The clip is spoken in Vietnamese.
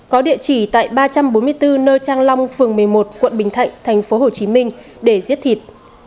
có địa chỉ tại ba trăm bốn mươi bốn nơi trang long phường một mươi một quận bình thạnh tp hcm để giết thịt